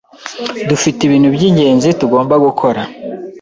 Dufite ibintu by'ingenzi tugomba gukora.